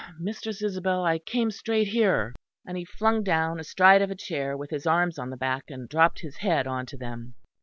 Mistress Isabel, I came straight here." And he flung down astride of a chair with his arms on the back, and dropped his head on to them.